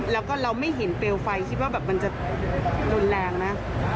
แล้วก็เราไม่เห็นเปลไฟคิดนะว่าแบบจะเราแรงนะ